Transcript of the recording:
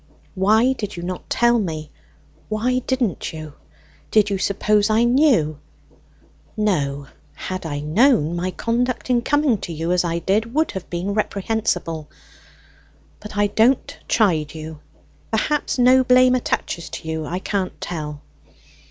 "Why did you not tell me why didn't you? Did you suppose I knew? No. Had I known, my conduct in coming to you as I did would have been reprehensible. "But I don't chide you! Perhaps no blame attaches to you I can't tell.